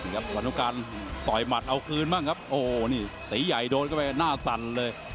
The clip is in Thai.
วันน้องการต่อยหมัดเอาคืนบ้างครับโอ้โหนี่ตีใหญ่โดนเข้าไปหน้าสั่นเลย